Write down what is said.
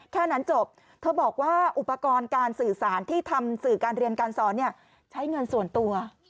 แค่นั้นจบเธอบอกว่าอุปกรณ์การสื่อสารที่ทำสื่อการเรียนการสอนใช้เงินส่วนตัว